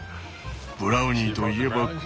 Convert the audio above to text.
ブラウニーといえばこれ。